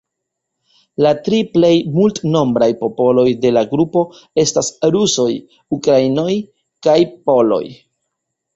La tri plej multnombraj popoloj de la grupo estas rusoj, ukrainoj kaj poloj.